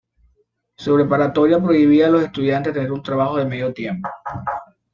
Su preparatoria prohibía a los estudiantes tener un trabajo de medio tiempo.